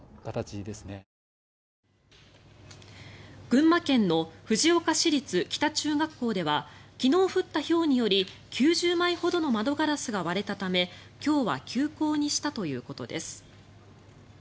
群馬県の藤岡市立北中学校では昨日降ったひょうにより９０枚ほどの窓ガラスが割れたため今日は休校にしたということです。